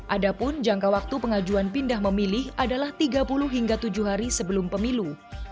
adapun jangka waktu pengajuan pindah memilih adalah tiga puluh hingga tujuh hari sebelum pemilu